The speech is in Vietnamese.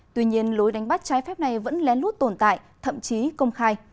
tuy nhiên lối đánh bắt trái phép này vẫn lén lút tồn tại thậm chí công khai